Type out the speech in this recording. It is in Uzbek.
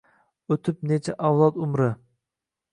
O’tib necha avlod umri